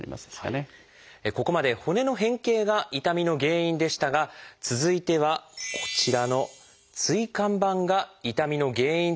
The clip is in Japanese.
ここまで骨の変形が痛みの原因でしたが続いてはこちらの椎間板が痛みの原因となるケースです。